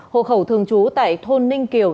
hộ khẩu thường trú tại thôn ninh kiều